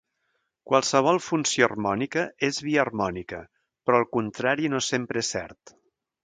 Qualsevol funció harmònica és biharmònica, però el contrari no sempre és cert.